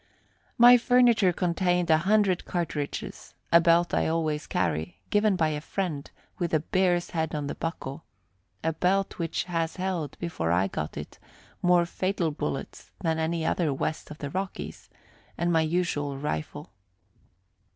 My furniture contained a hundred cartridges, a belt I always carry, given by a friend, with a bear's head on the buckle (a belt which has held, before I got it, more fatal bullets than any other west of the Rockies), and my usual rifle.